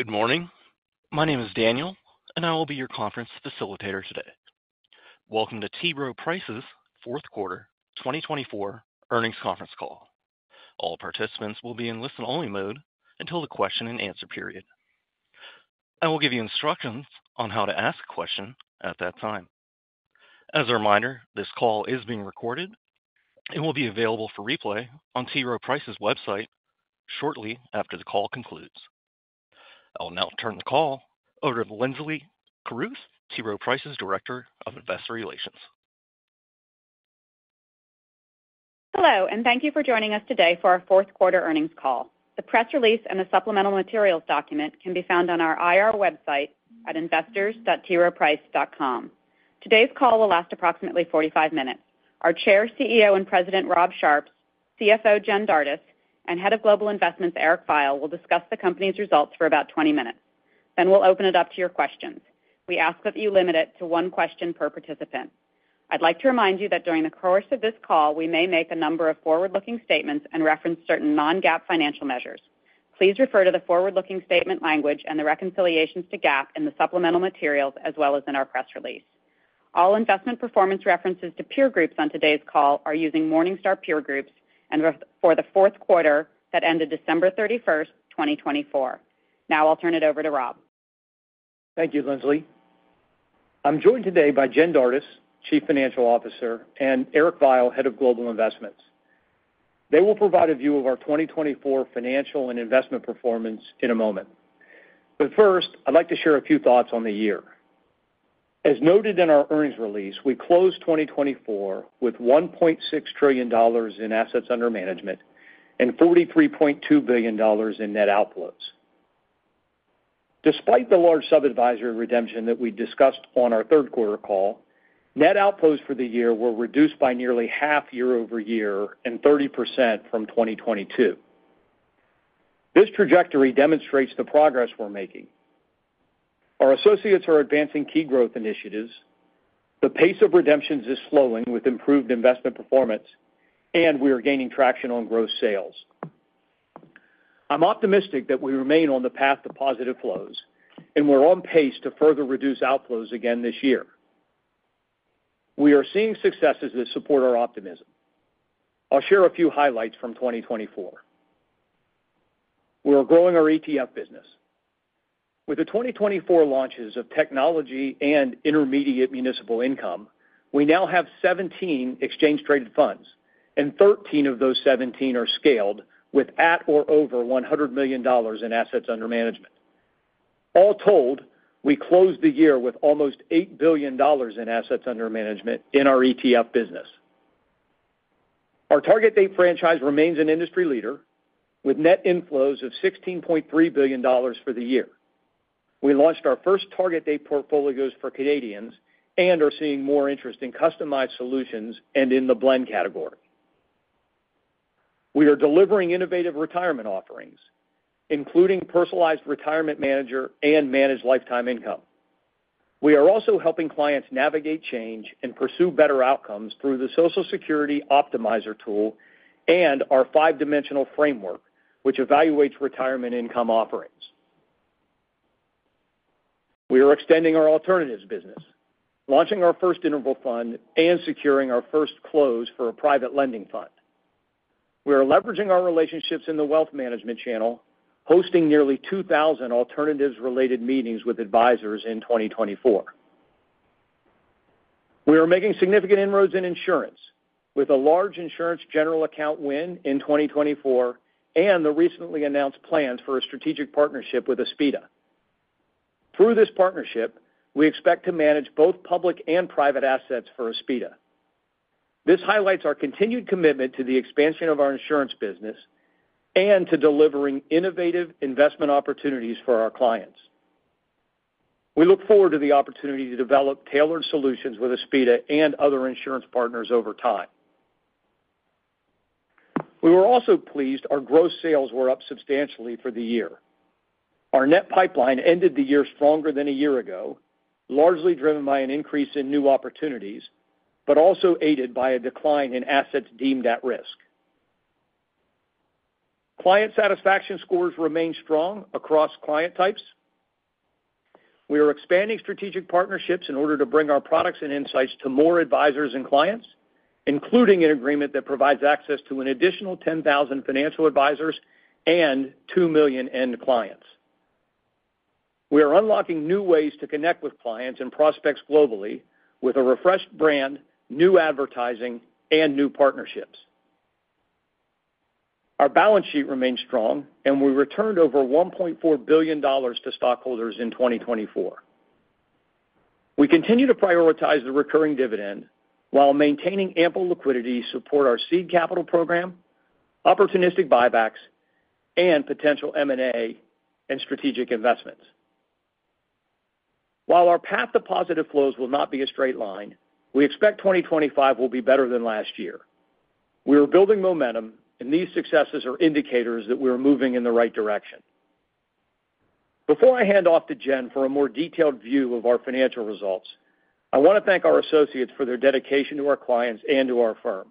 Good morning. My name is Daniel, and I will be your conference facilitator today. Welcome to T. Rowe Price's Fourth Quarter 2024 Earnings Conference Call. All participants will be in listen-only mode until the question-and-answer period. I will give you instructions on how to ask a question at that time. As a reminder, this call is being recorded and will be available for replay on T. Rowe Price's website shortly after the call concludes. I'll now turn the call over to Linsley Carruth, T. Rowe Price's Director of Investor Relations. Hello, and thank you for joining us today for our fourth quarter earnings call. The press release and the supplemental materials document can be found on our IR website at investors.troweprice.com. Today's call will last approximately 45 minutes. Our Chair, CEO, and President, Rob Sharps, CFO, Jen Dardis, and Head of Global Investments, Eric Veiel, will discuss the company's results for about 20 minutes. Then we'll open it up to your questions. We ask that you limit it to one question per participant. I'd like to remind you that during the course of this call, we may make a number of forward-looking statements and reference certain non-GAAP financial measures. Please refer to the forward-looking statement language and the reconciliations to GAAP in the supplemental materials as well as in our press release. All investment performance references to peer groups on today's call are using Morningstar peer groups for the fourth quarter that ended December 31st, 2024. Now I'll turn it over to Rob. Thank you, Linsley. I'm joined today by Jen Dardis, Chief Financial Officer, and Eric Veiel, Head of Global Investments. They will provide a view of our 2024 financial and investment performance in a moment. But first, I'd like to share a few thoughts on the year. As noted in our earnings release, we closed 2024 with $1.6 trillion in assets under management and $43.2 billion in net outflows. Despite the large sub-advisory redemption that we discussed on our third quarter call, net outflows for the year were reduced by nearly half year over year and 30% from 2022. This trajectory demonstrates the progress we're making. Our associates are advancing key growth initiatives. The pace of redemptions is slowing with improved investment performance, and we are gaining traction on gross sales. I'm optimistic that we remain on the path to positive flows, and we're on pace to further reduce outflows again this year. We are seeing successes that support our optimism. I'll share a few highlights from 2024. We are growing our ETF business. With the 2024 launches of Technology and Intermediate Municipal Income, we now have 17 exchange-traded funds, and 13 of those 17 are scaled with at or over $100 million in assets under management. All told, we closed the year with almost $8 billion in assets under management in our ETF business. Our Target Date franchise remains an industry leader with net inflows of $16.3 billion for the year. We launched our first Target Date portfolios for Canadians and are seeing more interest in customized solutions and in the blend category. We are delivering innovative retirement offerings, including Personalized Retirement Manager and Managed Lifetime Income. We are also helping clients navigate change and pursue better outcomes through the Social Security Optimizer tool and our five-dimensional framework, which evaluates retirement income offerings. We are extending our alternatives business, launching our first interval fund, and securing our first close for a private lending fund. We are leveraging our relationships in the wealth management channel, hosting nearly 2,000 alternatives-related meetings with advisors in 2024. We are making significant inroads in insurance with a large insurance general account win in 2024 and the recently announced plans for a strategic partnership with Aspida. Through this partnership, we expect to manage both public and private assets for Aspida. This highlights our continued commitment to the expansion of our insurance business and to delivering innovative investment opportunities for our clients. We look forward to the opportunity to develop tailored solutions with Aspida and other insurance partners over time. We were also pleased our gross sales were up substantially for the year. Our net pipeline ended the year stronger than a year ago, largely driven by an increase in new opportunities, but also aided by a decline in assets deemed at risk. Client satisfaction scores remain strong across client types. We are expanding strategic partnerships in order to bring our products and insights to more advisors and clients, including an agreement that provides access to an additional 10,000 financial advisors and 2 million end clients. We are unlocking new ways to connect with clients and prospects globally with a refreshed brand, new advertising, and new partnerships. Our balance sheet remains strong, and we returned over $1.4 billion to stockholders in 2024. We continue to prioritize the recurring dividend while maintaining ample liquidity to support our seed capital program, opportunistic buybacks, and potential M&A and strategic investments. While our path to positive flows will not be a straight line, we expect 2025 will be better than last year. We are building momentum, and these successes are indicators that we are moving in the right direction. Before I hand off to Jen for a more detailed view of our financial results, I want to thank our associates for their dedication to our clients and to our firm.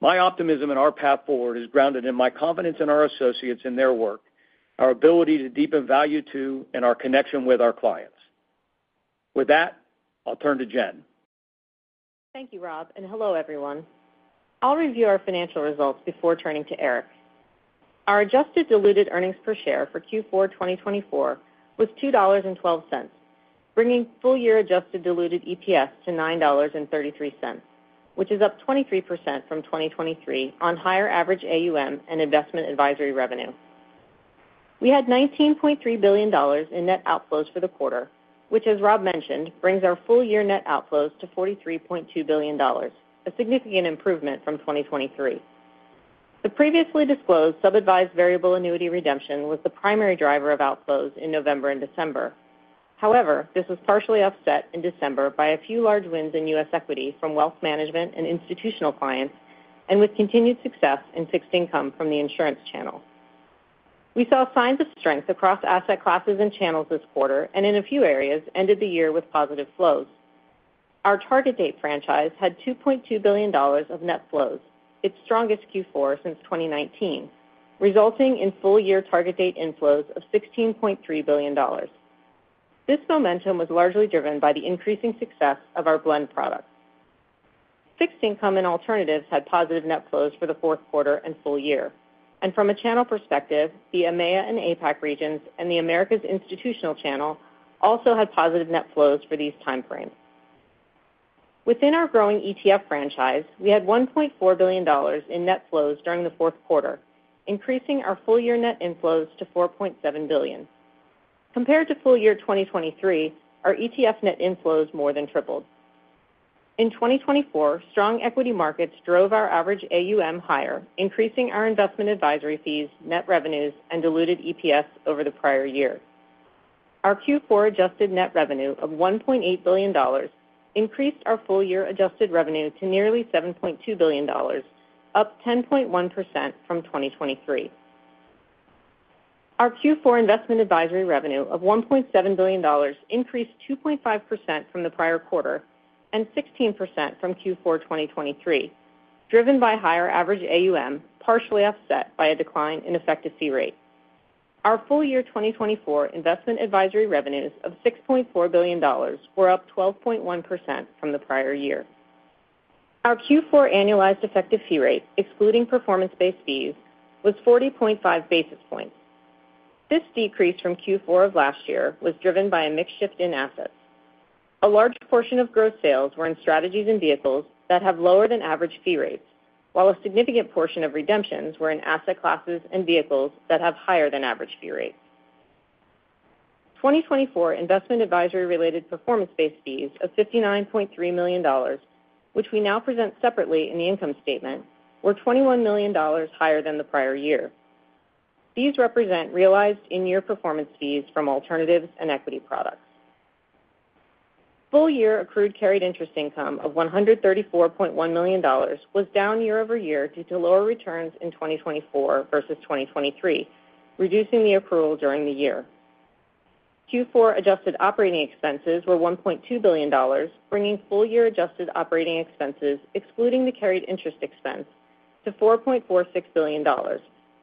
My optimism in our path forward is grounded in my confidence in our associates and their work, our ability to deepen value to and our connection with our clients. With that, I'll turn to Jen. Thank you, Rob, and hello, everyone. I'll review our financial results before turning to Eric. Our adjusted diluted earnings per share for Q4 2024 was $2.12, bringing full-year adjusted diluted EPS to $9.33, which is up 23% from 2023 on higher average AUM and investment advisory revenue. We had $19.3 billion in net outflows for the quarter, which, as Rob mentioned, brings our full-year net outflows to $43.2 billion, a significant improvement from 2023. The previously disclosed sub-advised variable annuity redemption was the primary driver of outflows in November and December. However, this was partially offset in December by a few large wins in U.S. equity from wealth management and institutional clients, and with continued success in fixed income from the insurance channel. We saw signs of strength across asset classes and channels this quarter, and in a few areas, ended the year with positive flows. Our Target Date franchise had $2.2 billion of net flows, its strongest Q4 since 2019, resulting in full-year Target Date inflows of $16.3 billion. This momentum was largely driven by the increasing success of our blend products. Fixed income and alternatives had positive net flows for the fourth quarter and full year, and from a channel perspective, the EMEA and APAC regions, and the Americas Institutional Channel also had positive net flows for these timeframes. Within our growing ETF franchise, we had $1.4 billion in net flows during the fourth quarter, increasing our full-year net inflows to $4.7 billion. Compared to full-year 2023, our ETF net inflows more than tripled. In 2024, strong equity markets drove our average AUM higher, increasing our investment advisory fees, net revenues, and diluted EPS over the prior year. Our Q4 adjusted net revenue of $1.8 billion increased our full-year adjusted revenue to nearly $7.2 billion, up 10.1% from 2023. Our Q4 investment advisory revenue of $1.7 billion increased 2.5% from the prior quarter and 16% from Q4 2023, driven by higher average AUM, partially offset by a decline in effective fee rate. Our full-year 2024 investment advisory revenues of $6.4 billion were up 12.1% from the prior year. Our Q4 annualized effective fee rate, excluding performance-based fees, was 40.5 basis points. This decrease from Q4 of last year was driven by a mixed shift in assets. A large portion of gross sales were in strategies and vehicles that have lower-than-average fee rates, while a significant portion of redemptions were in asset classes and vehicles that have higher-than-average fee rates. 2024 investment advisory-related performance-based fees of $59.3 million, which we now present separately in the income statement, were $21 million higher than the prior year. These represent realized in-year performance fees from alternatives and equity products. Full-year accrued carried interest income of $134.1 million was down year over year due to lower returns in 2024 versus 2023, reducing the accrual during the year. Q4 adjusted operating expenses were $1.2 billion, bringing full-year adjusted operating expenses, excluding the carried interest expense, to $4.46 billion,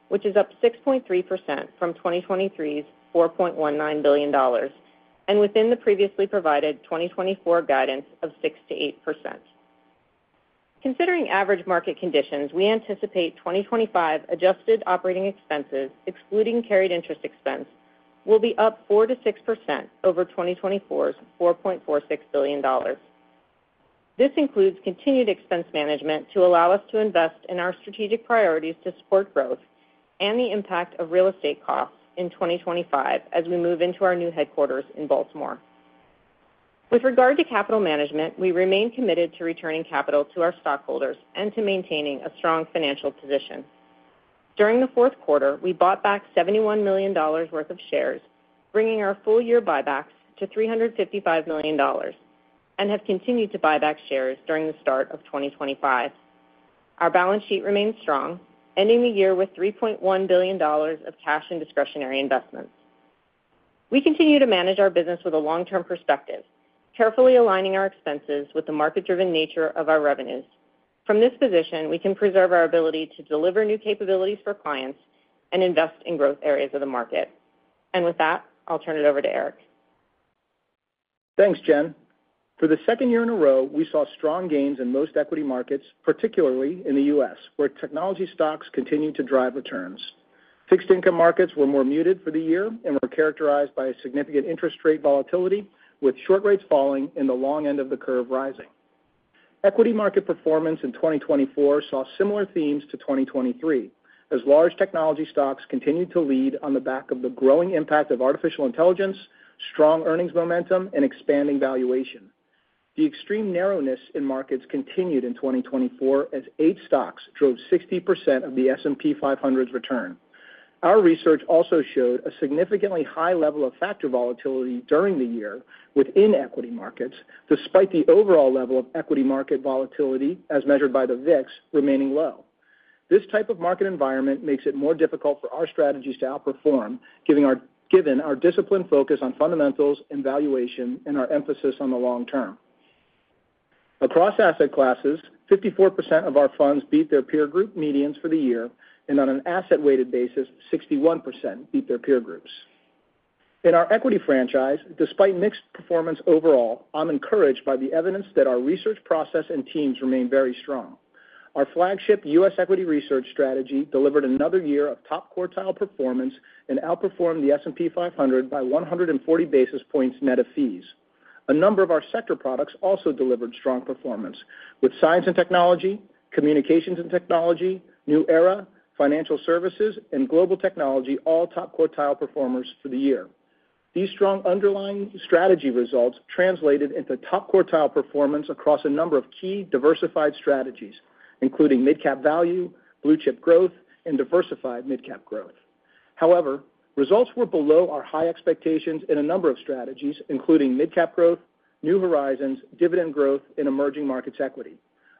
which is up 6.3% from 2023's $4.19 billion, and within the previously provided 2024 guidance of 6%-8%. Considering average market conditions, we anticipate 2025 adjusted operating expenses, excluding carried interest expense, will be up 4%-6% over 2024's $4.46 billion. This includes continued expense management to allow us to invest in our strategic priorities to support growth and the impact of real estate costs in 2025 as we move into our new headquarters in Baltimore. With regard to capital management, we remain committed to returning capital to our stockholders and to maintaining a strong financial position. During the fourth quarter, we bought back $71 million worth of shares, bringing our full-year buybacks to $355 million, and have continued to buy back shares during the start of 2025. Our balance sheet remains strong, ending the year with $3.1 billion of cash and discretionary investments. We continue to manage our business with a long-term perspective, carefully aligning our expenses with the market-driven nature of our revenues. From this position, we can preserve our ability to deliver new capabilities for clients and invest in growth areas of the market. With that, I'll turn it over to Eric. Thanks, Jen. For the second year in a row, we saw strong gains in most equity markets, particularly in the U.S., where technology stocks continued to drive returns. Fixed income markets were more muted for the year and were characterized by significant interest rate volatility, with short rates falling and the long end of the curve rising. Equity market performance in 2024 saw similar themes to 2023, as large technology stocks continued to lead on the back of the growing impact of artificial intelligence, strong earnings momentum, and expanding valuation. The extreme narrowness in markets continued in 2024, as eight stocks drove 60% of the S&P 500's return. Our research also showed a significantly high level of factor volatility during the year within equity markets, despite the overall level of equity market volatility, as measured by the VIX, remaining low. This type of market environment makes it more difficult for our strategies to outperform, given our disciplined focus on fundamentals and valuation and our emphasis on the long term. Across asset classes, 54% of our funds beat their peer group medians for the year, and on an asset-weighted basis, 61% beat their peer groups. In our equity franchise, despite mixed performance overall, I'm encouraged by the evidence that our research process and teams remain very strong. Our flagship U.S. Equity Research strategy delivered another year of top quartile performance and outperformed the S&P 500 by 140 basis points net of fees. A number of our sector products also delivered strong performance, with Science & Technology, Communications & Technology, New Era, Financial Services, and Global Technology all top quartile performers for the year. These strong underlying strategy results translated into top quartile performance across a number of key diversified strategies, including Mid-Cap Value, Blue Chip Growth, and Diversified Mid-Cap Growth. However, results were below our high expectations in a number of strategies, including Mid-Cap Growth, New Horizons, Dividend Growth, and Emerging Markets Equity.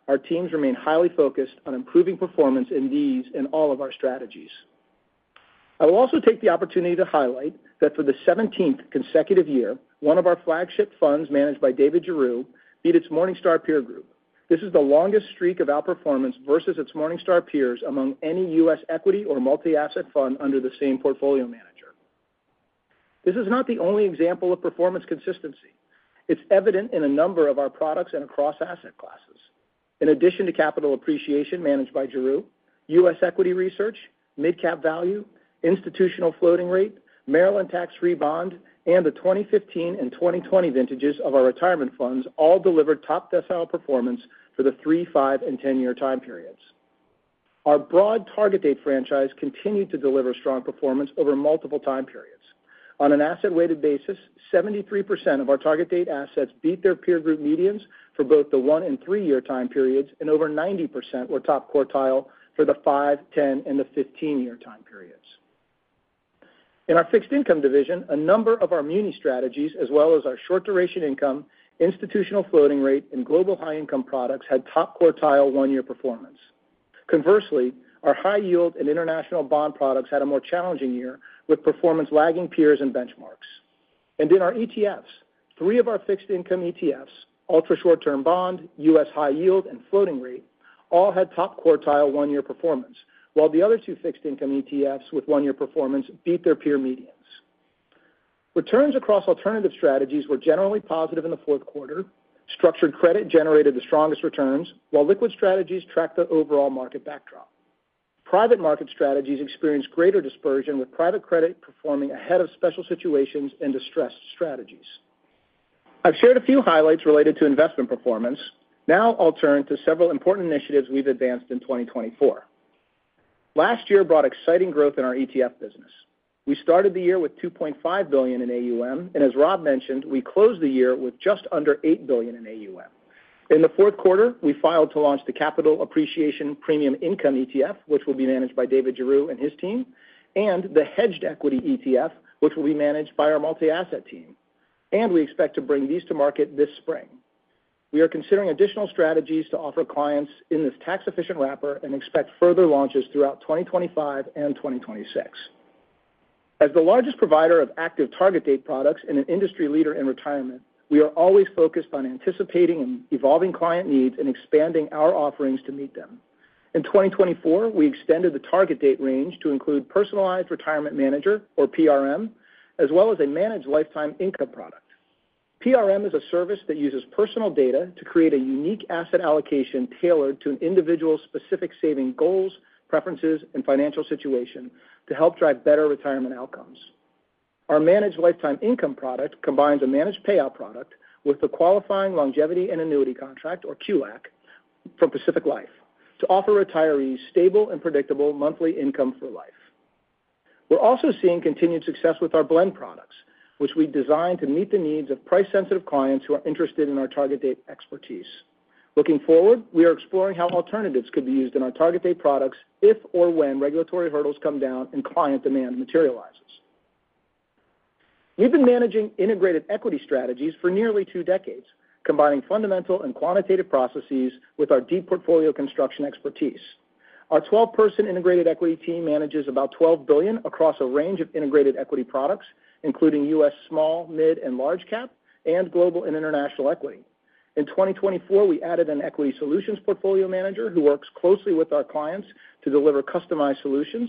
Our teams remain highly focused on improving performance in these and all of our strategies. I will also take the opportunity to highlight that for the 17th consecutive year, one of our flagship funds managed by David Giroux beat its Morningstar peer group. This is the longest streak of outperformance versus its Morningstar peers among any U.S. equity or multi-asset fund under the same portfolio manager. This is not the only example of performance consistency. It's evident in a number of our products and across asset classes. In addition to Capital Appreciation managed by Giroux, U.S. Equity Research, Mid-Cap Value, Institutional Floating Rate, Maryland Tax-Free Bond, and the 2015 and 2020 vintages of our retirement funds all delivered top decile performance for the three, five, and ten-year time periods. Our broad Target Date franchise continued to deliver strong performance over multiple time periods. On an asset-weighted basis, 73% of our Target Date assets beat their peer group medians for both the one and three-year time periods, and over 90% were top quartile for the five, ten, and the fifteen-year time periods. In our fixed income division, a number of our muni strategies, as well as our Short-Duration Income, Institutional Floating Rate, and Global High Income products had top quartile one-year performance. Conversely, our High Yield and International Bond products had a more challenging year with performance lagging peers and benchmarks. And in our ETFs, three of our fixed income ETFs, Ultra Short-Term Bond, U.S. High Yield, and Floating Rate all had top quartile one-year performance, while the other two fixed income ETFs with one-year performance beat their peer medians. Returns across alternative strategies were generally positive in the fourth quarter. Structured credit generated the strongest returns, while liquid strategies tracked the overall market backdrop. Private market strategies experienced greater dispersion, with private credit performing ahead of special situations and distressed strategies. I've shared a few highlights related to investment performance. Now I'll turn to several important initiatives we've advanced in 2024. Last year brought exciting growth in our ETF business. We started the year with $2.5 billion in AUM, and as Rob mentioned, we closed the year with just under $8 billion in AUM. In the fourth quarter, we filed to launch the Capital Appreciation Premium Income ETF, which will be managed by David Giroux and his team, and the Hedged Equity ETF, which will be managed by our multi-asset team, and we expect to bring these to market this spring. We are considering additional strategies to offer clients in this tax-efficient wrapper and expect further launches throughout 2025 and 2026. As the largest provider of active Target Date products and an industry leader in retirement, we are always focused on anticipating and evolving client needs and expanding our offerings to meet them. In 2024, we extended the Target Date range to include Personalized Retirement Manager, or PRM, as well as a Managed Lifetime Income product. PRM is a service that uses personal data to create a unique asset allocation tailored to an individual's specific saving goals, preferences, and financial situation to help drive better retirement outcomes. Our managed lifetime income product combines a managed payout product with the Qualified Longevity Annuity Contract, or QLAC, from Pacific Life to offer retirees stable and predictable monthly income for life. We're also seeing continued success with our blend products, which we designed to meet the needs of price-sensitive clients who are interested in our Target Date expertise. Looking forward, we are exploring how alternatives could be used in our Target Date products if or when regulatory hurdles come down and client demand materializes. We've been managing integrated equity strategies for nearly two decades, combining fundamental and quantitative processes with our deep portfolio construction expertise. Our 12-person integrated equity team manages about $12 billion across a range of integrated equity products, including U.S. small, mid, and large cap, and global and international equity. In 2024, we added an Equity Solutions portfolio manager who works closely with our clients to deliver customized solutions.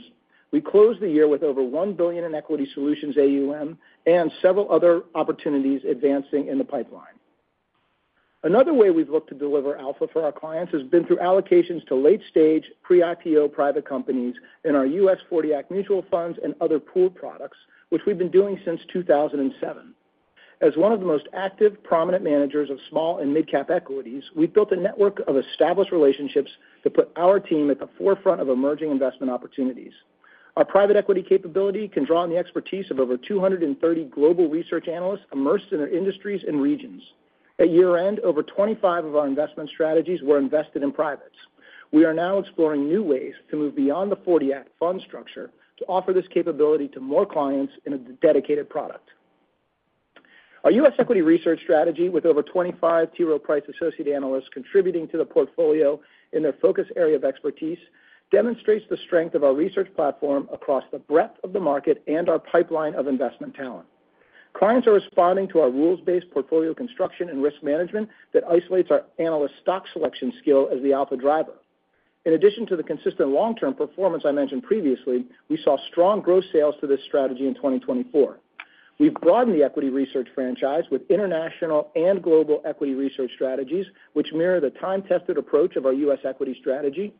We closed the year with over $1 billion in Equity Solutions AUM and several other opportunities advancing in the pipeline. Another way we've looked to deliver alpha for our clients has been through allocations to late-stage, pre-IPO private companies in our U.S. 40-Act mutual funds and other pool products, which we've been doing since 2007. As one of the most active, prominent managers of small and mid-cap equities, we've built a network of established relationships that put our team at the forefront of emerging investment opportunities. Our private equity capability can draw on the expertise of over 230 global research analysts immersed in their industries and regions. At year-end, over 25 of our investment strategies were invested in privates. We are now exploring new ways to move beyond the 40-Act fund structure to offer this capability to more clients in a dedicated product. Our U.S. Equity Research strategy, with over 25 T. Rowe Price associate analysts contributing to the portfolio in their focus area of expertise, demonstrates the strength of our research platform across the breadth of the market and our pipeline of investment talent. Clients are responding to our rules-based portfolio construction and risk management that isolates our analyst stock selection skill as the alpha driver. In addition to the consistent long-term performance I mentioned previously, we saw strong gross sales to this strategy in 2024. We've broadened the Equity Research franchise with international and Global Equity Research strategies, which mirror the time-tested approach of our U.S. equity strategy.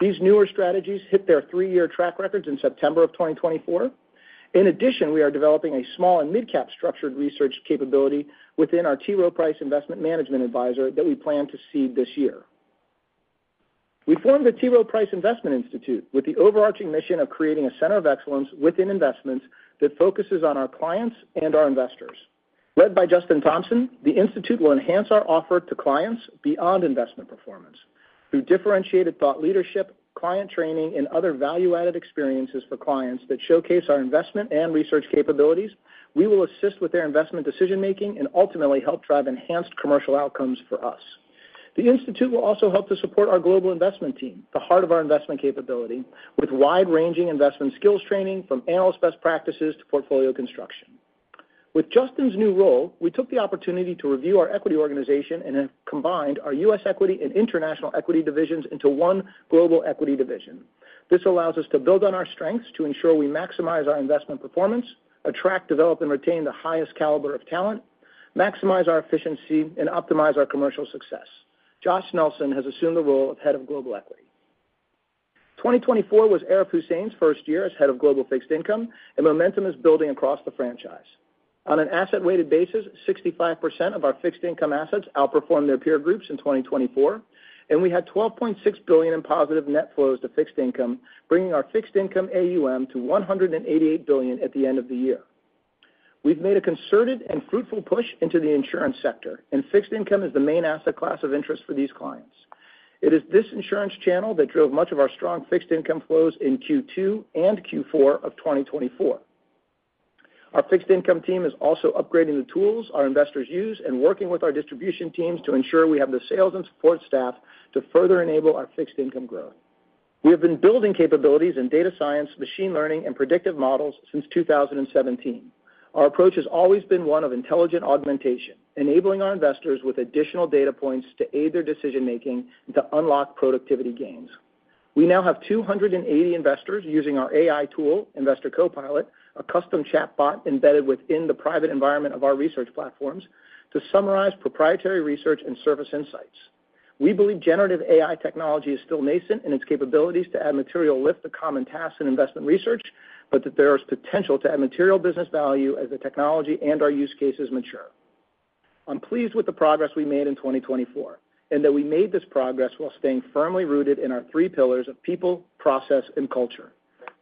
These newer strategies hit their three-year track records in September of 2024. In addition, we are developing a small and mid-cap Structured Research capability within our T. Rowe Price Investment Management Advisor that we plan to seed this year. We formed the T. Rowe Price Investment Institute with the overarching mission of creating a center of excellence within investments that focuses on our clients and our investors. Led by Justin Thompson, the institute will enhance our offer to clients beyond investment performance. Through differentiated thought leadership, client training, and other value-added experiences for clients that showcase our investment and research capabilities, we will assist with their investment decision-making and ultimately help drive enhanced commercial outcomes for us. The institute will also help to support our global investment team, the heart of our investment capability, with wide-ranging investment skills training from analyst best practices to portfolio construction. With Justin's new role, we took the opportunity to review our equity organization and have combined our U.S. equity and international equity divisions into one global equity division. This allows us to build on our strengths to ensure we maximize our investment performance, attract, develop, and retain the highest caliber of talent, maximize our efficiency, and optimize our commercial success. Josh Nelson has assumed the role of Head of Global Equity. 2024 was Eric Veiel's first year as head of global fixed income, and momentum is building across the franchise. On an asset-weighted basis, 65% of our fixed income assets outperformed their peer groups in 2024, and we had $12.6 billion in positive net flows to fixed income, bringing our fixed income AUM to $188 billion at the end of the year. We've made a concerted and fruitful push into the insurance sector, and fixed income is the main asset class of interest for these clients. It is this insurance channel that drove much of our strong fixed income flows in Q2 and Q4 of 2024. Our fixed income team is also upgrading the tools our investors use and working with our distribution teams to ensure we have the sales and support staff to further enable our fixed income growth. We have been building capabilities in data science, machine learning, and predictive models since 2017. Our approach has always been one of intelligent augmentation, enabling our investors with additional data points to aid their decision-making and to unlock productivity gains. We now have 280 investors using our AI tool, Investor Copilot, a custom chatbot embedded within the private environment of our research platforms to summarize proprietary research and service insights. We believe generative AI technology is still nascent in its capabilities to add material lift to common tasks in investment research, but that there is potential to add material business value as the technology and our use cases mature. I'm pleased with the progress we made in 2024 and that we made this progress while staying firmly rooted in our three pillars of people, process, and culture.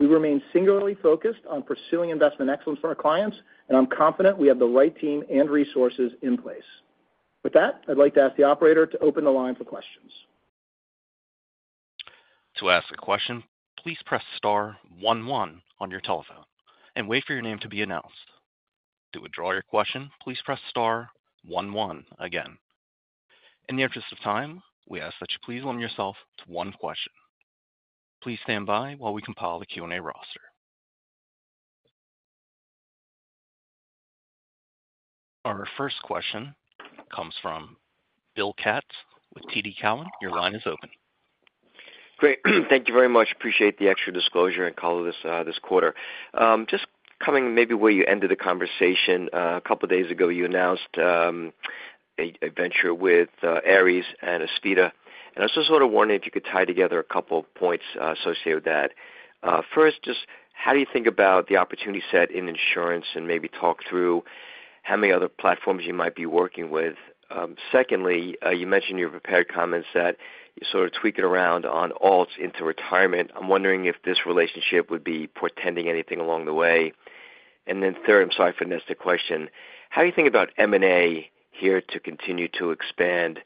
We remain singularly focused on pursuing investment excellence for our clients, and I'm confident we have the right team and resources in place. With that, I'd like to ask the operator to open the line for questions. To ask a question, please press star one one on your telephone and wait for your name to be announced. To withdraw your question, please press star one one again. In the interest of time, we ask that you please limit yourself to one question. Please stand by while we compile the Q&A roster. Our first question comes from Bill Katz with TD Cowen. Your line is open. Great. Thank you very much. Appreciate the extra disclosure and call this quarter. Just coming maybe where you ended the conversation a couple of days ago, you announced a venture with Ares and Aspida. And I was just sort of wondering if you could tie together a couple of points associated with that. First, just how do you think about the opportunity set in insurance and maybe talk through how many other platforms you might be working with? Secondly, you mentioned your prepared comments that you sort of tweaked it around on alts into retirement. I'm wondering if this relationship would be portending anything along the way. And then third, I'm sorry for the next question. How do you think about M&A here to continue to expand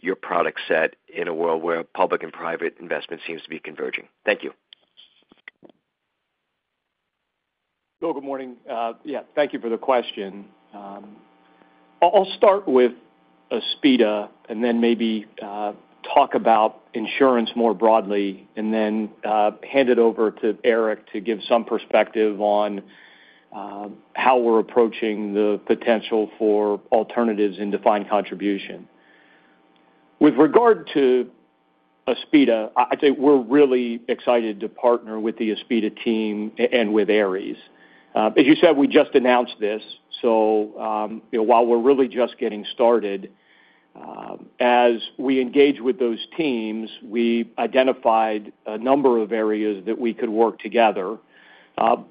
your product set in a world where public and private investment seems to be converging? Thank you. So, good morning. Yeah, thank you for the question. I'll start with Aspida and then maybe talk about insurance more broadly, and then hand it over to Eric to give some perspective on how we're approaching the potential for alternatives in defined contribution. With regard to Aspida, I'd say we're really excited to partner with the Aspida team and with Ares. As you said, we just announced this. So while we're really just getting started, as we engage with those teams, we identified a number of areas that we could work together,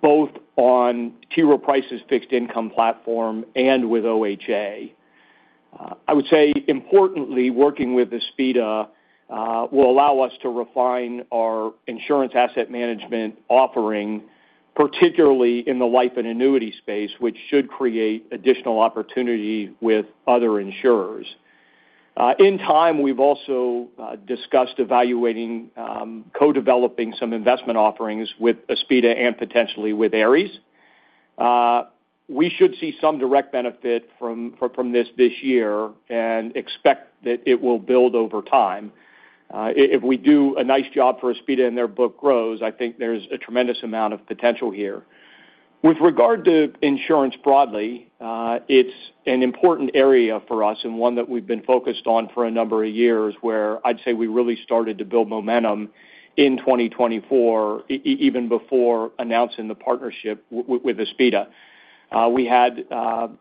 both on T. Rowe Price's fixed income platform and with OHA. I would say, importantly, working with Aspida will allow us to refine our insurance asset management offering, particularly in the life and annuity space, which should create additional opportunity with other insurers. In time, we've also discussed evaluating co-developing some investment offerings with Aspida and potentially with Ares. We should see some direct benefit from this year and expect that it will build over time. If we do a nice job for Aspida and their book grows, I think there's a tremendous amount of potential here. With regard to insurance broadly, it's an important area for us and one that we've been focused on for a number of years where I'd say we really started to build momentum in 2024, even before announcing the partnership with Aspida. We had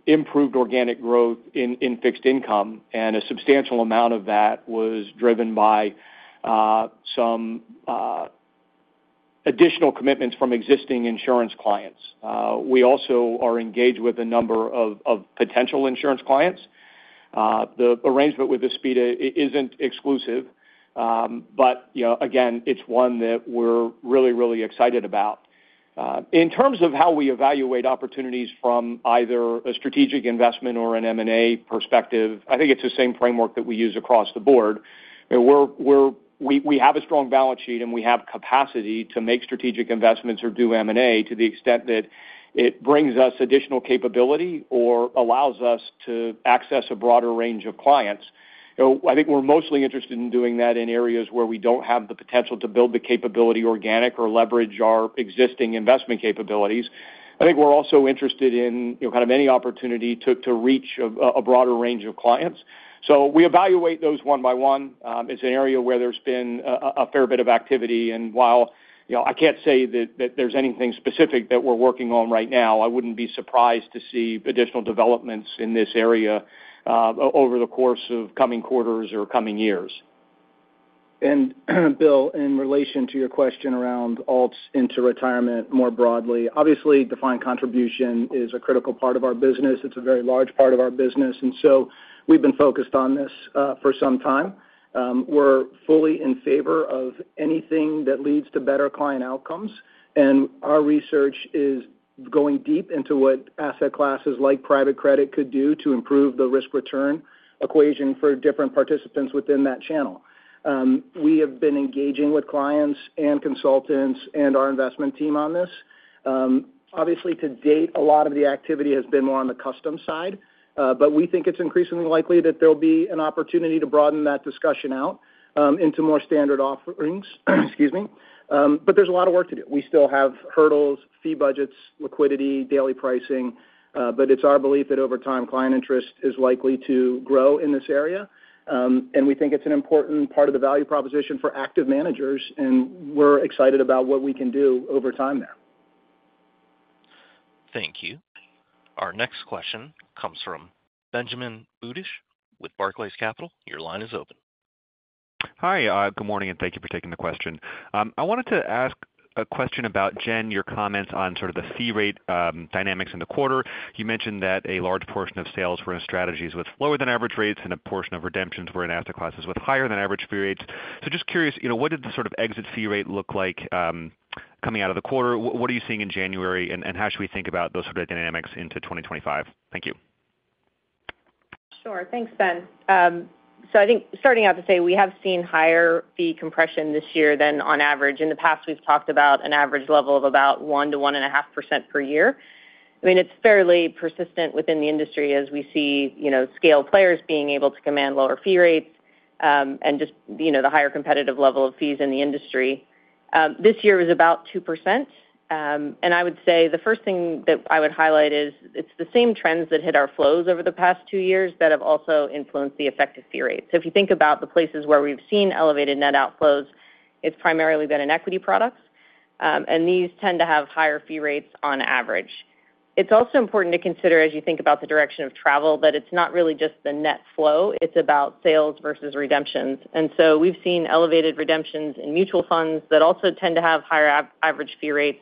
improved organic growth in fixed income, and a substantial amount of that was driven by some additional commitments from existing insurance clients. We also are engaged with a number of potential insurance clients. The arrangement with Aspida isn't exclusive, but again, it's one that we're really, really excited about. In terms of how we evaluate opportunities from either a strategic investment or an M&A perspective, I think it's the same framework that we use across the board. We have a strong balance sheet, and we have capacity to make strategic investments or do M&A to the extent that it brings us additional capability or allows us to access a broader range of clients. I think we're mostly interested in doing that in areas where we don't have the potential to build the capability organically or leverage our existing investment capabilities. I think we're also interested in kind of any opportunity to reach a broader range of clients. So we evaluate those one by one. It's an area where there's been a fair bit of activity. And while I can't say that there's anything specific that we're working on right now, I wouldn't be surprised to see additional developments in this area over the course of coming quarters or coming years. And Bill, in relation to your question around alts into retirement more broadly, obviously, defined contribution is a critical part of our business. It's a very large part of our business. And so we've been focused on this for some time. We're fully in favor of anything that leads to better client outcomes. And our research is going deep into what asset classes like private credit could do to improve the risk-return equation for different participants within that channel. We have been engaging with clients and consultants and our investment team on this. Obviously, to date, a lot of the activity has been more on the custom side, but we think it's increasingly likely that there'll be an opportunity to broaden that discussion out into more standard offerings. Excuse me. But there's a lot of work to do. We still have hurdles, fee budgets, liquidity, daily pricing, but it's our belief that over time, client interest is likely to grow in this area. We think it's an important part of the value proposition for active managers, and we're excited about what we can do over time there. Thank you. Our next question comes from Benjamin Budish with Barclays Capital. Your line is open. Hi, good morning, and thank you for taking the question. I wanted to ask a question about, Jen, your comments on sort of the fee rate dynamics in the quarter. You mentioned that a large portion of sales were in strategies with lower-than-average rates and a portion of redemptions were in asset classes with higher-than-average fee rates. So just curious, what did the sort of exit fee rate look like coming out of the quarter? What are you seeing in January, and how should we think about those sort of dynamics into 2025? Thank you. Sure. Thanks, Ben. So I think starting out to say, we have seen higher fee compression this year than on average. In the past, we've talked about an average level of about 1%-1.5% per year. I mean, it's fairly persistent within the industry as we see scale players being able to command lower fee rates and just the higher competitive level of fees in the industry. This year was about 2%. And I would say the first thing that I would highlight is it's the same trends that hit our flows over the past two years that have also influenced the effective fee rates. So if you think about the places where we've seen elevated net outflows, it's primarily been in equity products, and these tend to have higher fee rates on average. It's also important to consider as you think about the direction of travel that it's not really just the net flow. It's about sales versus redemptions. And so we've seen elevated redemptions in mutual funds that also tend to have higher average fee rates.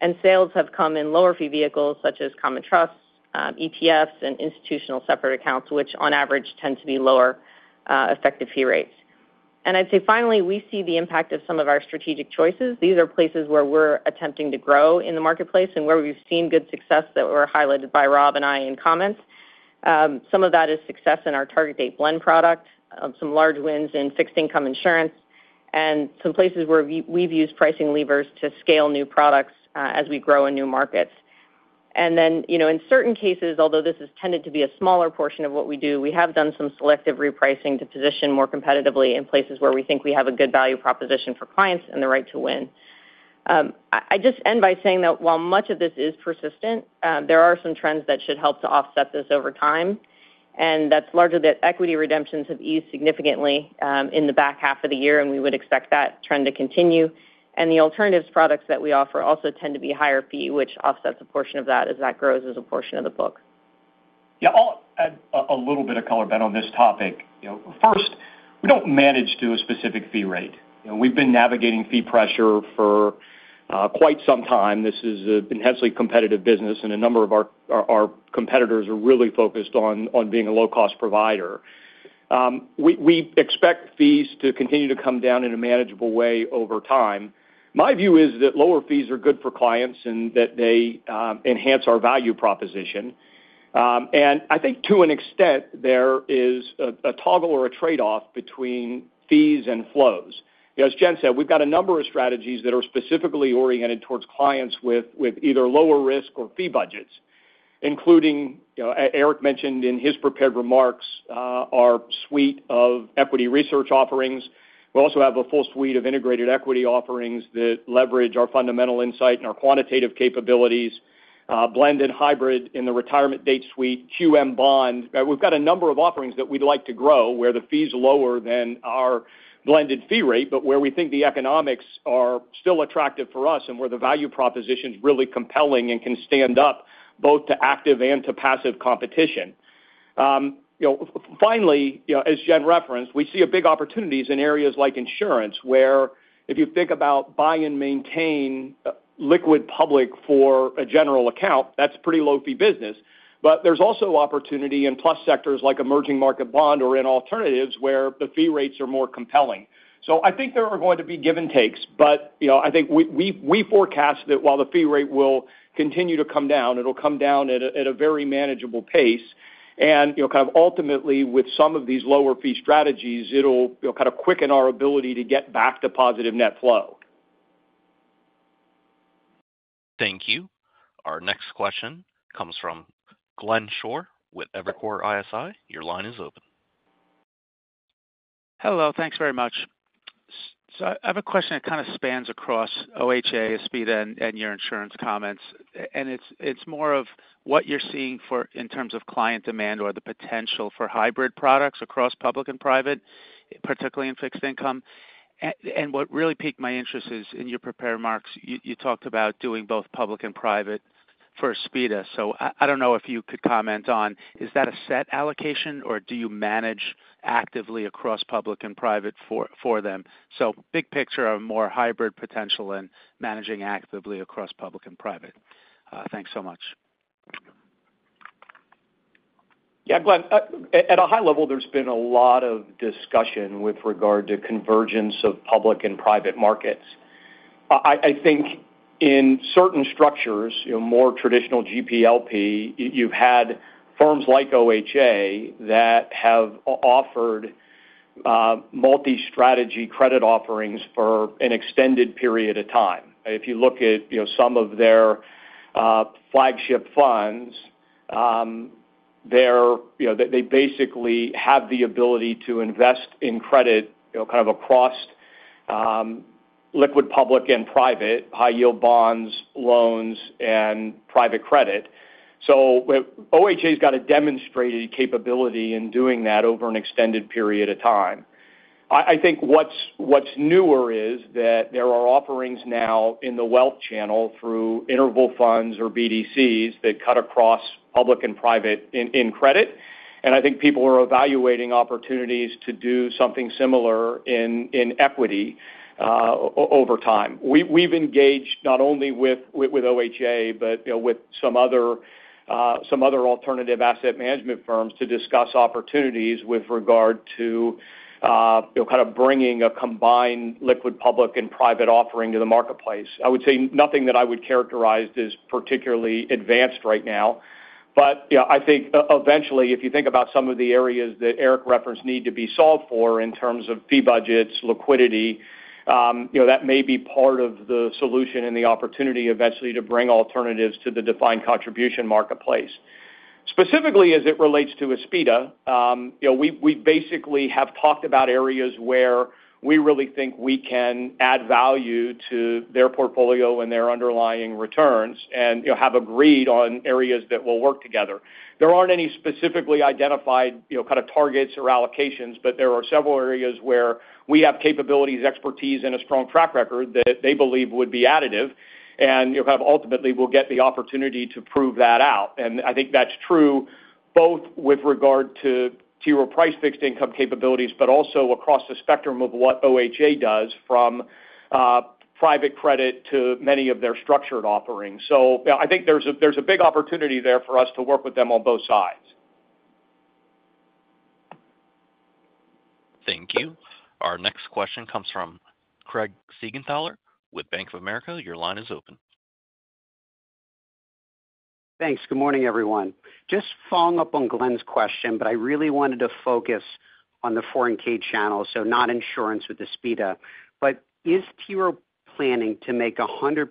And sales have come in lower fee vehicles such as common trusts, ETFs, and institutional separate accounts, which on average tend to be lower effective fee rates. And I'd say finally, we see the impact of some of our strategic choices. These are places where we're attempting to grow in the marketplace and where we've seen good success that were highlighted by Rob and I in comments. Some of that is success in our target date blend product, some large wins in fixed income insurance, and some places where we've used pricing levers to scale new products as we grow in new markets, and then in certain cases, although this has tended to be a smaller portion of what we do, we have done some selective repricing to position more competitively in places where we think we have a good value proposition for clients and the right to win. I just end by saying that while much of this is persistent, there are some trends that should help to offset this over time, and that's largely that equity redemptions have eased significantly in the back half of the year, and we would expect that trend to continue. The alternatives products that we offer also tend to be higher-fee, which offsets a portion of that as that grows as a portion of the book. Yeah, I'll add a little bit of color, Ben, on this topic. First, we don't manage to a specific fee rate. We've been navigating fee pressure for quite some time. This is an intensely competitive business, and a number of our competitors are really focused on being a low-cost provider. We expect fees to continue to come down in a manageable way over time. My view is that lower fees are good for clients and that they enhance our value proposition. I think to an extent, there is a toggle or a trade-off between fees and flows. As Jen said, we've got a number of strategies that are specifically oriented towards clients with either lower risk or fee budgets, including, Eric mentioned in his prepared remarks, our suite of Equity Research offerings. We also have a full suite of integrated equity offerings that leverage our fundamental insight and our quantitative capabilities, blended hybrid in the Target Date suite, QM Bond. We've got a number of offerings that we'd like to grow where the fee is lower than our blended fee rate, but where we think the economics are still attractive for us and where the value proposition is really compelling and can stand up both to active and to passive competition. Finally, as Jen referenced, we see big opportunities in areas like insurance where if you think about buy and maintain liquid public for a general account, that's pretty low-fee business. But there's also opportunity in plus sectors like emerging market bond or in alternatives where the fee rates are more compelling. So I think there are going to be give and takes, but I think we forecast that while the fee rate will continue to come down, it'll come down at a very manageable pace. And kind of ultimately, with some of these lower fee strategies, it'll kind of quicken our ability to get back to positive net flow. Thank you. Our next question comes from Glenn Schorr with Evercore ISI. Your line is open. Hello, thanks very much. So I have a question that kind of spans across OHA, Aspida, and your insurance comments. And it's more of what you're seeing in terms of client demand or the potential for hybrid products across public and private, particularly in fixed income. And what really piqued my interest is in your prepared remarks, you talked about doing both public and private for Aspida. So I don't know if you could comment on, is that a set allocation or do you manage actively across public and private for them? So big picture of more hybrid potential and managing actively across public and private. Thanks so much. Yeah, Glenn, at a high level, there's been a lot of discussion with regard to convergence of public and private markets. I think in certain structures, more traditional GP/LP, you've had firms like OHA that have offered multi-strategy credit offerings for an extended period of time. If you look at some of their flagship funds, they basically have the ability to invest in credit kind of across liquid public and private, High Yield bonds, loans, and private credit. OHA's got a demonstrated capability in doing that over an extended period of time. I think what's newer is that there are offerings now in the wealth channel through interval funds or BDCs that cut across public and private in credit. And I think people are evaluating opportunities to do something similar in equity over time. We've engaged not only with OHA, but with some other alternative asset management firms to discuss opportunities with regard to kind of bringing a combined liquid public and private offering to the marketplace. I would say nothing that I would characterize as particularly advanced right now. But I think eventually, if you think about some of the areas that Eric referenced need to be solved for in terms of fee budgets, liquidity, that may be part of the solution and the opportunity eventually to bring alternatives to the defined contribution marketplace. Specifically, as it relates to Aspida, we basically have talked about areas where we really think we can add value to their portfolio and their underlying returns and have agreed on areas that will work together. There aren't any specifically identified kind of targets or allocations, but there are several areas where we have capabilities, expertise, and a strong track record that they believe would be additive. And kind of ultimately, we'll get the opportunity to prove that out. And I think that's true both with regard to T. Rowe Price fixed income capabilities, but also across the spectrum of what OHA does from private credit to many of their structured offerings. So I think there's a big opportunity there for us to work with them on both sides. Thank you. Our next question comes from Craig Siegenthaler with Bank of America. Your line is open. Thanks. Good morning, everyone. Just following up on Glenn's question, but I really wanted to focus on the 401(k) channel, so not insurance with Aspida. But is T. Rowe planning to make 100%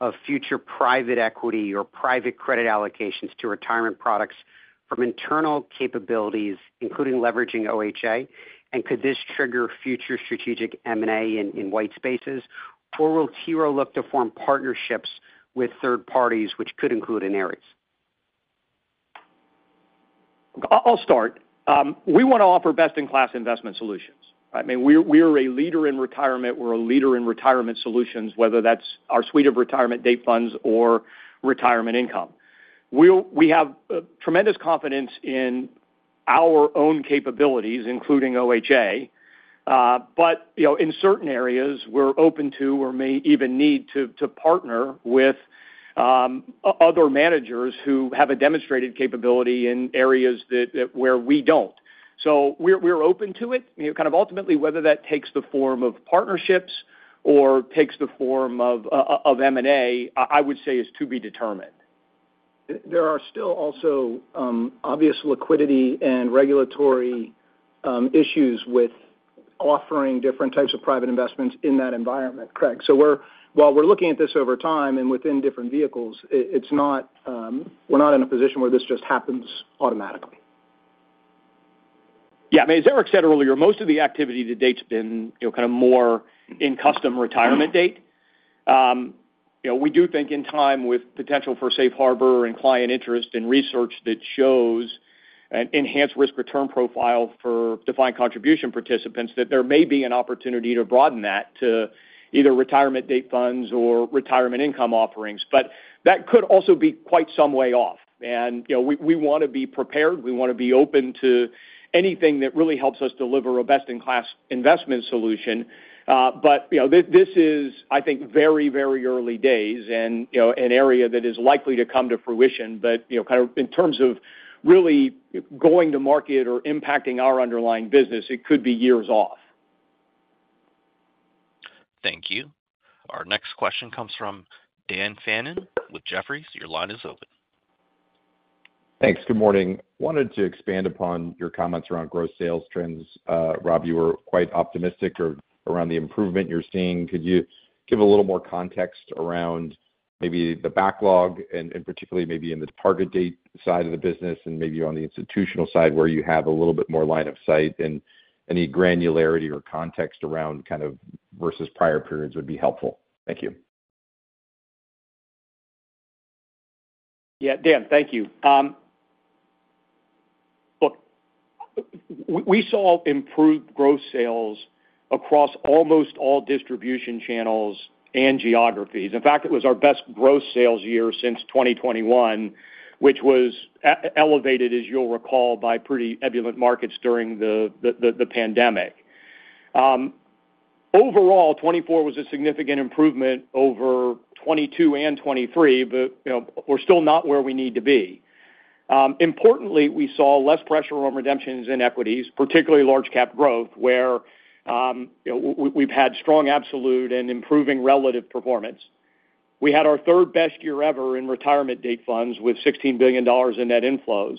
of future private equity or private credit allocations to retirement products from internal capabilities, including leveraging OHA? And could this trigger future strategic M&A in white spaces, or will T. Rowe look to form partnerships with third parties, which could include in Ares? I'll start. We want to offer best-in-class investment solutions. I mean, we are a leader in retirement. We're a leader in retirement solutions, whether that's our suite of retirement date funds or retirement income. We have tremendous confidence in our own capabilities, including OHA. But in certain areas, we're open to or may even need to partner with other managers who have a demonstrated capability in areas where we don't. So we're open to it. Kind of ultimately, whether that takes the form of partnerships or takes the form of M&A, I would say is to be determined. There are still also obvious liquidity and regulatory issues with offering different types of private investments in that environment, Craig. So while we're looking at this over time and within different vehicles, we're not in a position where this just happens automatically. Yeah. I mean, as Eric said earlier, most of the activity to date has been kind of more in custom retirement date. We do think in time with potential for safe harbor and client interest and research that shows an enhanced risk return profile for defined contribution participants, that there may be an opportunity to broaden that to either retirement date funds or retirement income offerings. But that could also be quite some way off, and we want to be prepared. We want to be open to anything that really helps us deliver a best-in-class investment solution. But this is, I think, very, very early days and an area that is likely to come to fruition. But kind of in terms of really going to market or impacting our underlying business, it could be years off. Thank you. Our next question comes from Dan Fannon with Jefferies. Your line is open. Thanks. Good morning. Wanted to expand upon your comments around gross sales trends. Rob, you were quite optimistic around the improvement you're seeing. Could you give a little more context around maybe the backlog, and particularly maybe in the target date side of the business, and maybe on the institutional side where you have a little bit more line of sight? And any granularity or context around kind of versus prior periods would be helpful. Thank you. Yeah, Dan, thank you. Look, we saw improved gross sales across almost all distribution channels and geographies. In fact, it was our best gross sales year since 2021, which was elevated, as you'll recall, by pretty ebullient markets during the pandemic. Overall, 2024 was a significant improvement over 2022 and 2023, but we're still not where we need to be. Importantly, we saw less pressure on redemptions in equities, particularly Large-Cap Growth, where we've had strong absolute and improving relative performance. We had our third best year ever in retirement date funds with $16 billion in net inflows.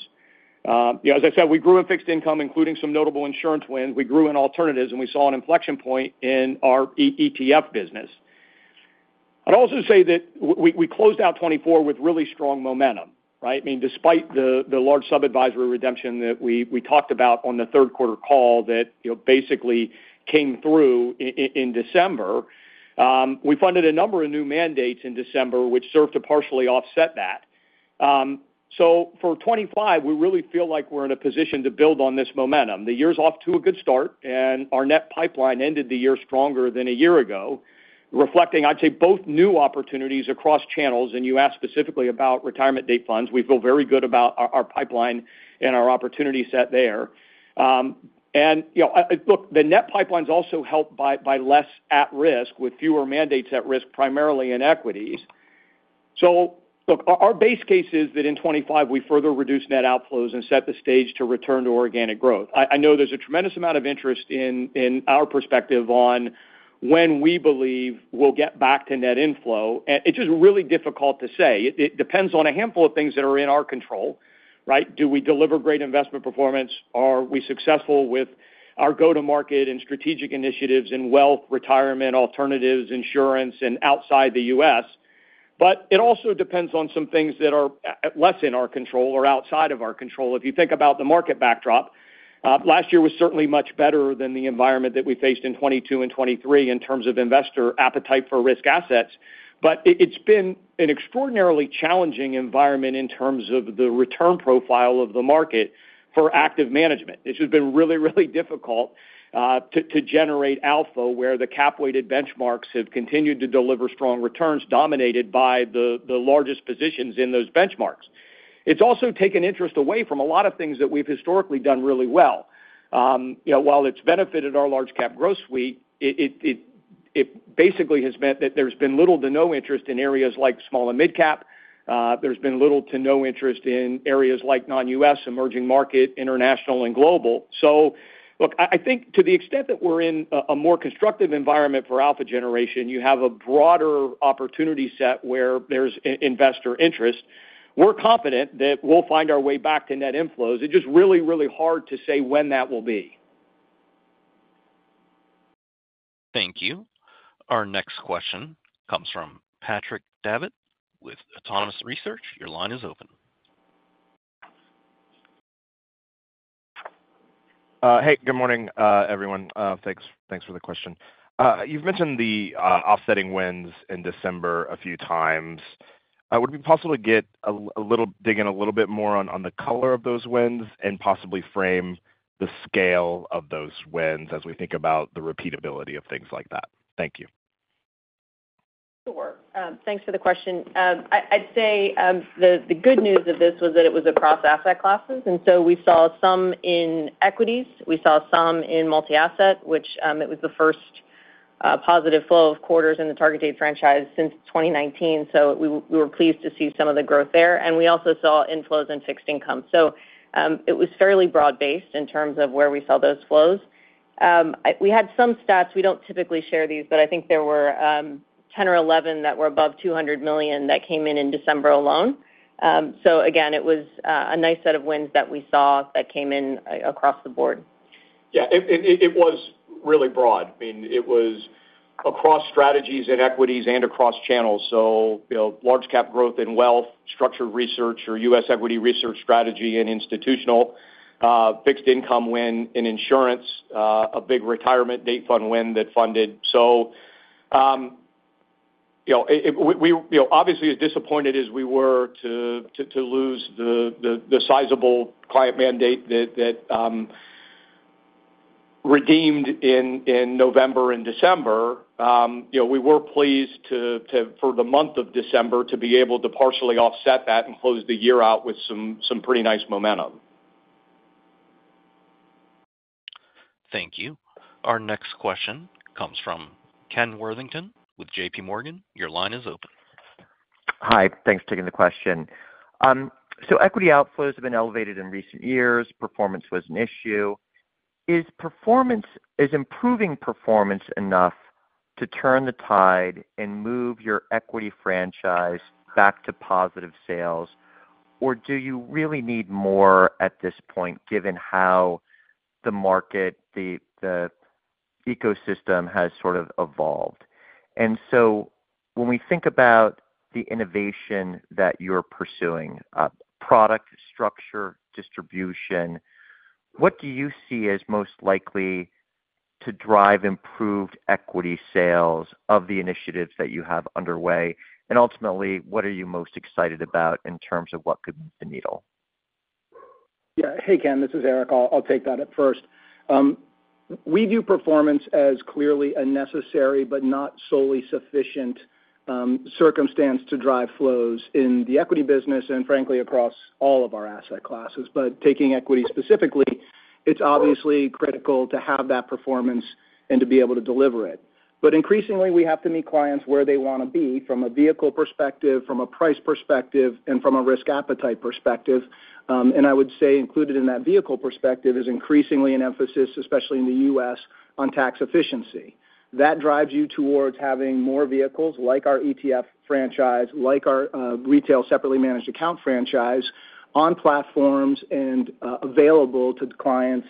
As I said, we grew in fixed income, including some notable insurance wins. We grew in alternatives, and we saw an inflection point in our ETF business. I'd also say that we closed out 2024 with really strong momentum, right? I mean, despite the large sub-advisory redemption that we talked about on the third-quarter call that basically came through in December, we funded a number of new mandates in December, which served to partially offset that. So for 2025, we really feel like we're in a position to build on this momentum. The year's off to a good start, and our net pipeline ended the year stronger than a year ago, reflecting, I'd say, both new opportunities across channels. And you asked specifically about retirement date funds. We feel very good about our pipeline and our opportunity set there. And look, the net pipeline's also helped by less at-risk with fewer mandates at risk, primarily in equities. So look, our base case is that in 2025, we further reduce net outflows and set the stage to return to organic growth. I know there's a tremendous amount of interest in our perspective on when we believe we'll get back to net inflow. It's just really difficult to say. It depends on a handful of things that are in our control, right? Do we deliver great investment performance? Are we successful with our go-to-market and strategic initiatives in wealth, retirement, alternatives, insurance, and outside the U.S.? But it also depends on some things that are less in our control or outside of our control. If you think about the market backdrop, last year was certainly much better than the environment that we faced in 2022 and 2023 in terms of investor appetite for risk assets. But it's been an extraordinarily challenging environment in terms of the return profile of the market for active management. It's just been really, really difficult to generate alpha where the cap-weighted benchmarks have continued to deliver strong returns dominated by the largest positions in those benchmarks. It's also taken interest away from a lot of things that we've historically done really well. While it's benefited our Large-Cap Growth suite, it basically has meant that there's been little to no interest in areas like small and mid-cap. There's been little to no interest in areas like non-U.S., emerging market, international, and global. So look, I think to the extent that we're in a more constructive environment for alpha generation, you have a broader opportunity set where there's investor interest. We're confident that we'll find our way back to net inflows. It's just really, really hard to say when that will be. Thank you. Our next question comes from Patrick Davitt with Autonomous Research. Your line is open. Hey, good morning, everyone. Thanks for the question. You've mentioned the offsetting wins in December a few times. Would it be possible to dig in a little bit more on the color of those wins and possibly frame the scale of those wins as we think about the repeatability of things like that? Thank you. Sure. Thanks for the question. I'd say the good news of this was that it was across asset classes. And so we saw some in equities. We saw some in multi-asset, which it was the first positive flow of quarters in the Target Date franchise since 2019. So we were pleased to see some of the growth there. And we also saw inflows in fixed income. So it was fairly broad-based in terms of where we saw those flows. We had some stats. We don't typically share these, but I think there were 10 or 11 that were above $200 million that came in in December alone. So again, it was a nice set of wins that we saw that came in across the board. Yeah, it was really broad. I mean, it was across strategies and equities and across channels. So Large-Cap Growth in wealth, Structured Research, or U.S. Equity Research strategy and institutional, fixed income win in insurance, a big retirement date fund win that funded. So obviously, as disappointed as we were to lose the sizable client mandate that redeemed in November and December, we were pleased for the month of December to be able to partially offset that and close the year out with some pretty nice momentum. Thank you. Our next question comes from Ken Worthington with JPMorgan. Your line is open. Hi. Thanks for taking the question. So equity outflows have been elevated in recent years. Performance was an issue. Is improving performance enough to turn the tide and move your equity franchise back to positive sales, or do you really need more at this point given how the market, the ecosystem has sort of evolved? And so when we think about the innovation that you're pursuing, product structure, distribution, what do you see as most likely to drive improved equity sales of the initiatives that you have underway? And ultimately, what are you most excited about in terms of what could move the needle? Yeah. Hey, Ken, this is Eric. I'll take that at first. We view performance as clearly a necessary but not solely sufficient circumstance to drive flows in the equity business and, frankly, across all of our asset classes. But taking equity specifically, it's obviously critical to have that performance and to be able to deliver it. But increasingly, we have to meet clients where they want to be from a vehicle perspective, from a price perspective, and from a risk appetite perspective. And I would say included in that vehicle perspective is increasingly an emphasis, especially in the U.S., on tax efficiency. That drives you towards having more vehicles like our ETF franchise, like our retail separately managed account franchise on platforms and available to clients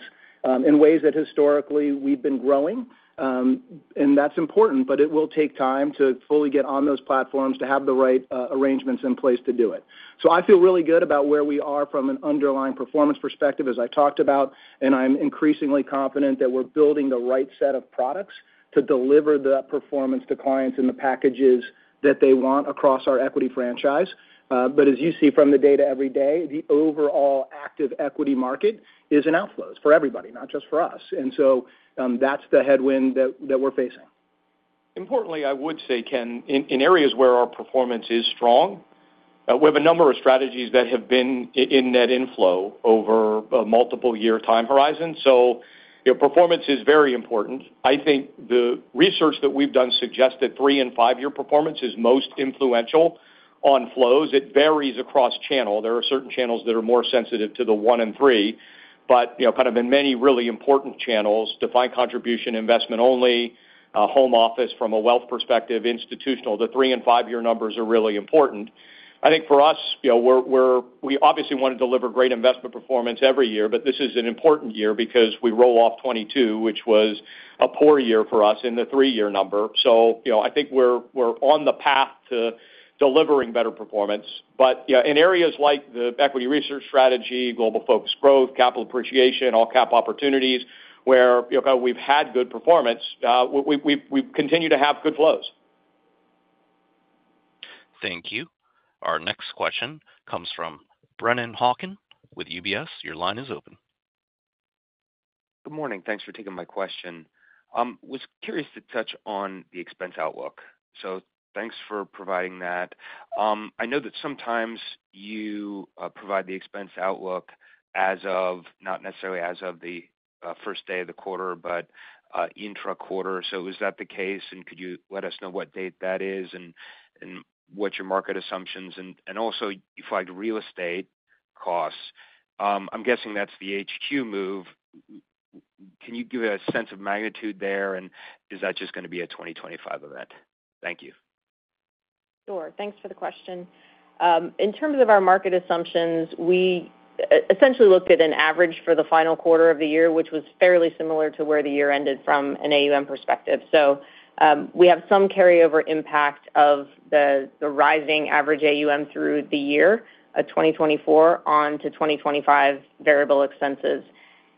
in ways that historically we've been growing. And that's important, but it will take time to fully get on those platforms to have the right arrangements in place to do it. So I feel really good about where we are from an underlying performance perspective, as I talked about. And I'm increasingly confident that we're building the right set of products to deliver that performance to clients in the packages that they want across our equity franchise. But as you see from the data every day, the overall active equity market is in outflows for everybody, not just for us. And so that's the headwind that we're facing. Importantly, I would say, Ken, in areas where our performance is strong, we have a number of strategies that have been in net inflow over a multiple-year time horizon. So performance is very important. I think the research that we've done suggests that three and five-year performance is most influential on flows. It varies across channel. There are certain channels that are more sensitive to the one and three. But kind of in many really important channels, defined contribution, investment only, home office from a wealth perspective, institutional, the three- and five-year numbers are really important. I think for us, we obviously want to deliver great investment performance every year, but this is an important year because we roll off 2022, which was a poor year for us in the three-year number. So I think we're on the path to delivering better performance. But in areas like the Equity Research strategy, Global Focused Growth, Capital Appreciation, All-Cap Opportunities, where we've had good performance, we've continued to have good flows. Thank you. Our next question comes from Brennan Hawken with UBS. Your line is open. Good morning. Thanks for taking my question. I was curious to touch on the expense outlook. So thanks for providing that. I know that sometimes you provide the expense outlook as of, not necessarily as of the first day of the quarter, but intra-quarter. So is that the case? And could you let us know what date that is and what your market assumptions are? And also, you flagged real estate costs. I'm guessing that's the HQ move. Can you give a sense of magnitude there? And is that just going to be a 2025 event? Thank you. Sure. Thanks for the question. In terms of our market assumptions, we essentially looked at an average for the final quarter of the year, which was fairly similar to where the year ended from an AUM perspective. So we have some carryover impact of the rising average AUM through the year of 2024 onto 2025 variable expenses.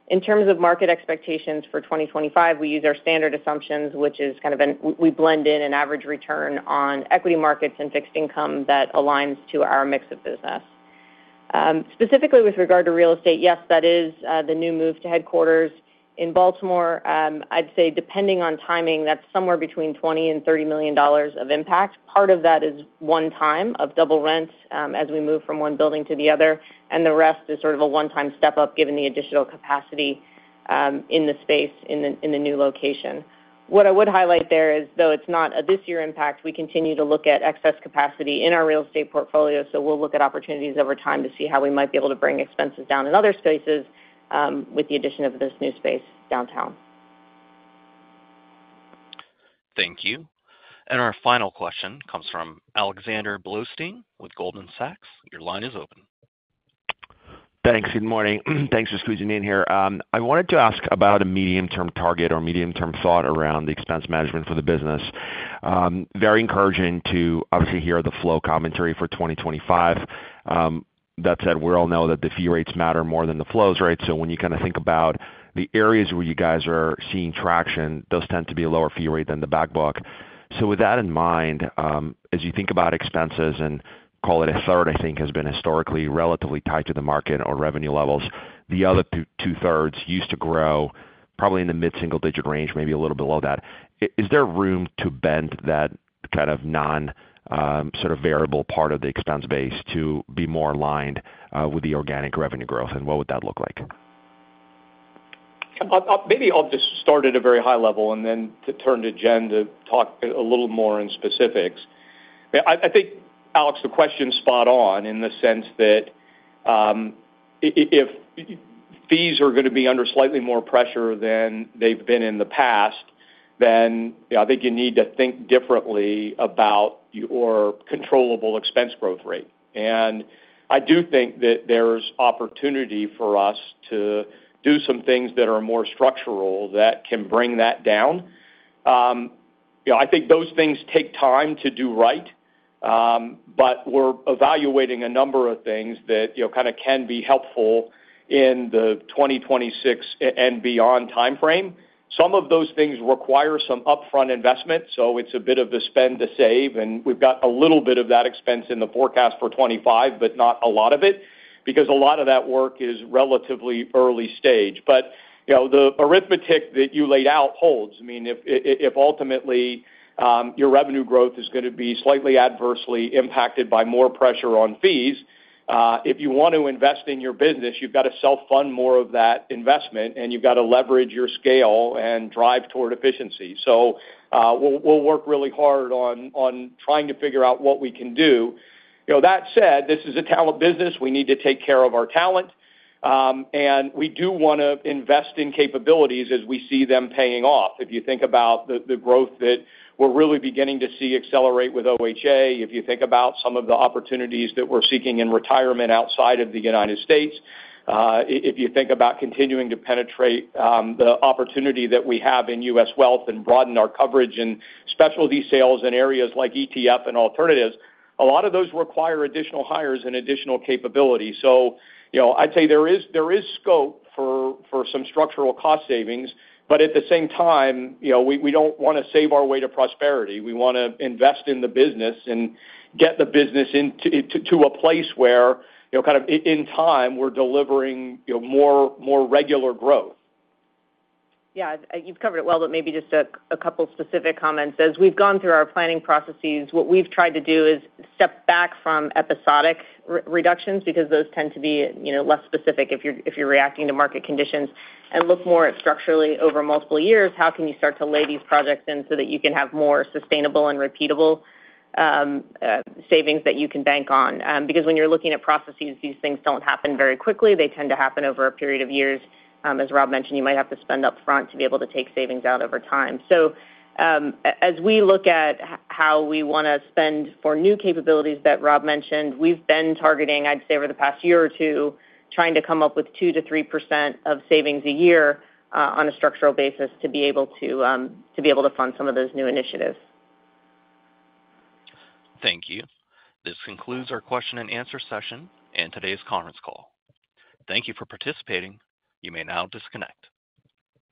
In terms of market expectations for 2025, we use our standard assumptions, which is kind of we blend in an average return on equity markets and fixed income that aligns to our mix of business. Specifically with regard to real estate, yes, that is the new move to headquarters in Baltimore. I'd say depending on timing, that's somewhere between $20 million-$30 million of impact. Part of that is one-time of double rents as we move from one building to the other. And the rest is sort of a one-time step-up given the additional capacity in the space in the new location. What I would highlight there is, though it's not a this-year impact, we continue to look at excess capacity in our real estate portfolio. So we'll look at opportunities over time to see how we might be able to bring expenses down in other spaces with the addition of this new space downtown. Thank you. And our final question comes from Alexander Blostein with Goldman Sachs. Your line is open. Thanks. Good morning. Thanks for squeezing in here. I wanted to ask about a medium-term target or medium-term thought around the expense management for the business. Very encouraging to obviously hear the flow commentary for 2025. That said, we all know that the fee rates matter more than the flows, right? So when you kind of think about the areas where you guys are seeing traction, those tend to be a lower fee rate than the back book. So with that in mind, as you think about expenses and call it a third, I think has been historically relatively tied to the market or revenue levels. The other two-thirds used to grow probably in the mid-single-digit range, maybe a little below that. Is there room to bend that kind of non-sort of variable part of the expense base to be more aligned with the organic revenue growth? And what would that look like? Maybe I'll just start at a very high level and then turn to Jen to talk a little more in specifics. I think, Alex, the question's spot on in the sense that if fees are going to be under slightly more pressure than they've been in the past, then I think you need to think differently about your controllable expense growth rate. And I do think that there's opportunity for us to do some things that are more structural that can bring that down. I think those things take time to do right. But we're evaluating a number of things that kind of can be helpful in the 2026 and beyond timeframe. Some of those things require some upfront investment. So it's a bit of the spend to save. And we've got a little bit of that expense in the forecast for 2025, but not a lot of it because a lot of that work is relatively early stage. But the arithmetic that you laid out holds. I mean, if ultimately your revenue growth is going to be slightly adversely impacted by more pressure on fees, if you want to invest in your business, you've got to self-fund more of that investment, and you've got to leverage your scale and drive toward efficiency. So we'll work really hard on trying to figure out what we can do. That said, this is a talent business. We need to take care of our talent. And we do want to invest in capabilities as we see them paying off. If you think about the growth that we're really beginning to see accelerate with OHA, if you think about some of the opportunities that we're seeking in retirement outside of the United States, if you think about continuing to penetrate the opportunity that we have in U.S. wealth and broaden our coverage in specialty sales in areas like ETF and alternatives, a lot of those require additional hires and additional capabilities. So I'd say there is scope for some structural cost savings. But at the same time, we don't want to save our way to prosperity. We want to invest in the business and get the business to a place where kind of in time we're delivering more regular growth. Yeah. You've covered it well, but maybe just a couple of specific comments. As we've gone through our planning processes, what we've tried to do is step back from episodic reductions because those tend to be less specific if you're reacting to market conditions and look more structurally over multiple years. How can you start to lay these projects in so that you can have more sustainable and repeatable savings that you can bank on? Because when you're looking at processes, these things don't happen very quickly. They tend to happen over a period of years. As Rob mentioned, you might have to spend upfront to be able to take savings out over time. So as we look at how we want to spend for new capabilities that Rob mentioned, we've been targeting, I'd say, over the past year or two, trying to come up with 2%-3% of savings a year on a structural basis to be able to fund some of those new initiatives. Thank you. This concludes our question-and-answer session and today's conference call. Thank you for participating. You may now disconnect.